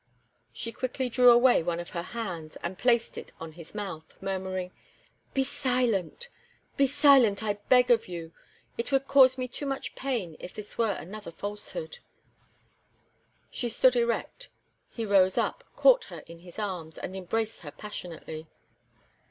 She quickly drew away one of her hands, and placed it on his mouth, murmuring: "Be silent! be silent, I beg of you! It would cause me too much pain if this were another falsehood." She stood erect; he rose up, caught her in his arms, and embraced her passionately.